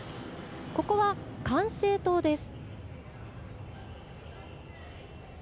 ここは管制塔です。